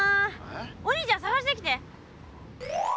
お兄ちゃんさがしてきて！